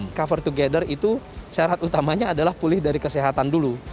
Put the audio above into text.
kemudian cover together itu syarat utamanya adalah pulih dari kesehatan dulu